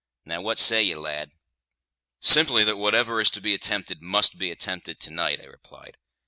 Now what say ye, lad?" "Simply, that whatever is to be attempted must be attempted to night," I replied.